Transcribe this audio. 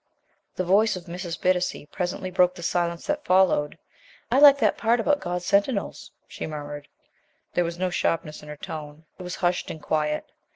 The voice of Mrs. Bittacy presently broke the silence that followed. "I like that part about God's sentinels," she murmured. There was no sharpness in her tone; it was hushed and quiet.